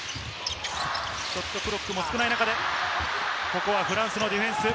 ショットクロックも少ない中で、フランスのディフェンス。